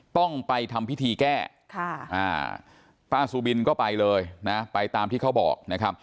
ต้องไปทำพิธีแก้ป้าสุบินก็ไปเลยนะไปตามที่เขาบอกนะครับ